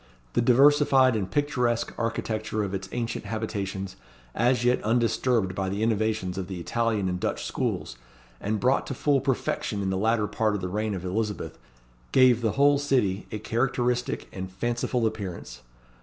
The diversified and picturesque architecture of its ancient habitations, as yet undisturbed by the innovations of the Italian and Dutch schools, and brought to full perfection in the latter part of the reign of Elizabeth, gave the whole city a characteristic and fanciful appearance.